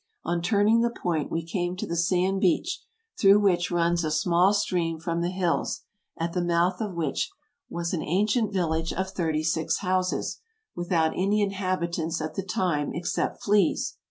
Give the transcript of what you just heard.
On turning the point we came to the sand beach, through which runs a small stream from the hills, at the mouth of which was an AMERICA 159 ancient village of thirty six houses, without any inhabitants at the time except fleas.